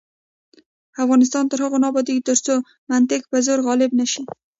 افغانستان تر هغو نه ابادیږي، ترڅو منطق پر زور غالب نشي.